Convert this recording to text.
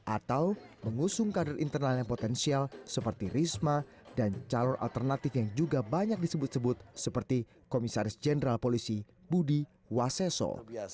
atau mengusung kader internal yang potensial seperti risma dan calon alternatif yang juga banyak disebut sebut seperti komisaris jenderal polisi budi waseso